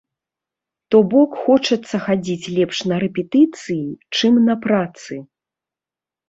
То бок, хочацца хадзіць лепш на рэпетыцыі, чым на працы.